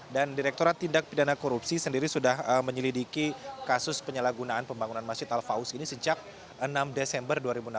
dan direkturat tindak bidana korupsi sendiri sudah menyelidiki kasus penyalahgunaan pembangunan masjid al faus ini sejak enam desember dua ribu enam belas